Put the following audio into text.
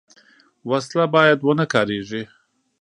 وسله باید ونهکارېږي